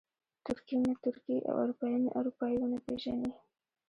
ترکي مې ترکي او اروپایي مې اروپایي ونه پېژني.